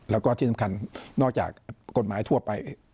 แล้วก็ที่สำคัญนอกจากกฎหมายทั่วไป